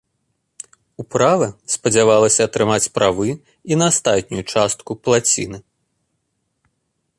Управа спадзявалася атрымаць правы і на астатнюю частку плаціны.